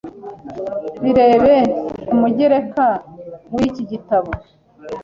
Birebe ku mugereka w’iki gitabo I: